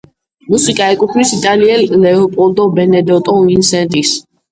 მუსიკა ეკუთვნის იტალიელ ლეოპოლდო ბენედეტო ვინსენტის.